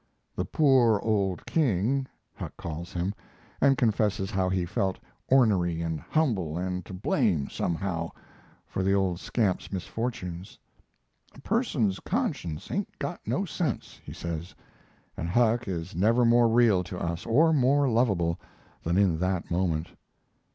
The "poor old king" Huck calls him, and confesses how he felt "ornery and humble and to blame, somehow," for the old scamp's misfortunes. "A person's conscience ain't got no sense," he says, and Huck is never more real to us, or more lovable, than in that moment.